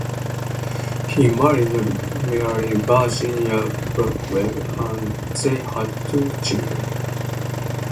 He married Mary Virginia Blackwell, and they had two children.